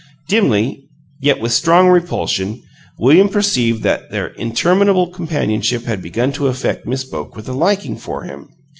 Dimly, yet with strong repulsion, William perceived that their interminable companionship had begun to affect Miss Boke with a liking for him.